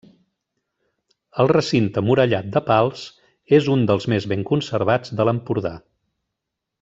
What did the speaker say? El recinte murallat de Pals és un dels més ben conservats de l'Empordà.